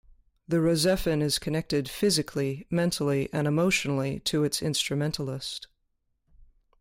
The RahXephon is connected physically, mentally, and emotionally to its instrumentalist.